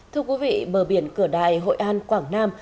thưa quý vị bờ biển cửa đại hội an quảng nam